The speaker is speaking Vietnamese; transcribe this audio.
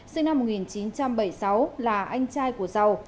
sinh năm một nghìn chín trăm bảy mươi sáu là anh trai của giàu